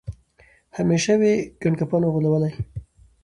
همېشه وي ګنډکپانو غولولی